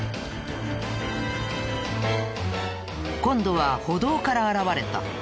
今度は歩道から現れた。